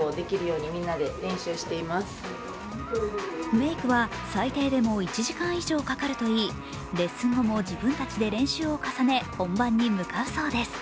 メークは最低でも１時間以上かかるといいレッスン後も自分たちで練習を重ね本番に向かうそうです。